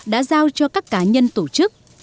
đã giao cho các cá nhân tổ chức